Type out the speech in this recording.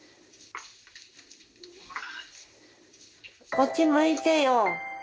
こっち向いてよ。